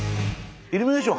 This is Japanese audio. イルミネーション